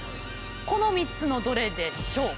この３つのどれでしょう。